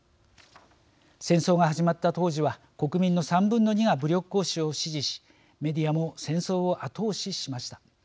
戦争が始まった当時は国民の３分の２が武力行使を支持しメディアも戦争を後押ししました。